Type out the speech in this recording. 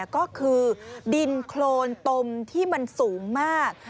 ก็คือดินโครนตมที่มันสูงมาก